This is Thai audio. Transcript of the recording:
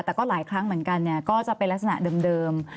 แต่ก็หลายครั้งเหมือนกันก็จะเป็นลักษณะเดิม